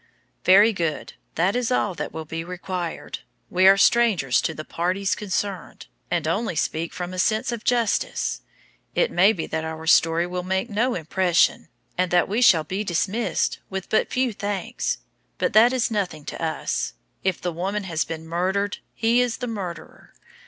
"Very good. That is all that will be required. We are strangers to the parties concerned, and only speak from a sense of justice. It may be that our story will make no impression, and that we shall be dismissed with but few thanks. But that is nothing to us. If the woman has been murdered, he is the murderer.